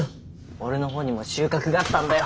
俺のほうにも収穫があったんだよ。